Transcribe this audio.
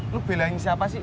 lo belain siapa sih